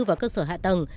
và cơ sở hạ tầng